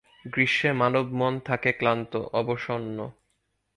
গ্রীষ্মে মানবমন থাকে ক্লান্ত, অবসন্ন।